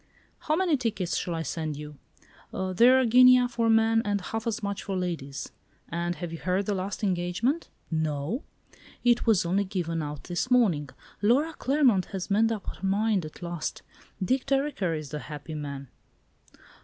"How many tickets shall I send you? They're a guinea for men and half as much for ladies; and have you heard the last engagement? No? It was only given out this morning. Laura Claremont has made up her mind at last; Dick Dereker is the happy man!"